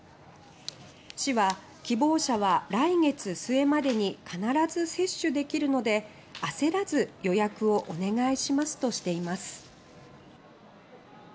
市は「希望者は来月末までに必ず接種できるので焦らず予約をお願いします」としています。